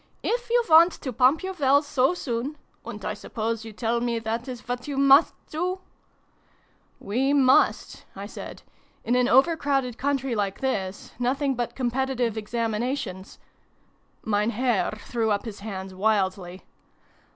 "If you want to pump your wells so soon and I suppose you tell me that is what you must do ?"" We must," I said. " In an over crowded country like this, nothing but Competitive Examinations Mein Herr threw up his hands wildly.